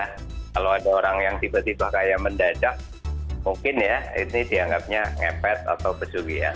kalau ada orang yang tiba tiba kayak mendadak mungkin ya ini dianggapnya ngepet atau besugian